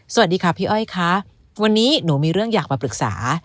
สวัสดีค่ะพี่อ้อยค่ะวันนี้หนูมีเรื่องอยากมาปรึกษา